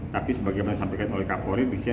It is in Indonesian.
tapi sebabnya ketika rapat rapat pendapat dikomisi tiga